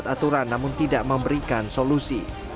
dia membuat aturan namun tidak memberikan solusi